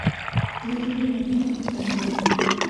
دا د یوې مرغۍ مثال لري.